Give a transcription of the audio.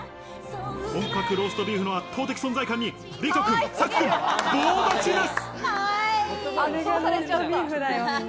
本格ローストビーフの圧倒的存在感に理人くん、朔くん、棒立ちです。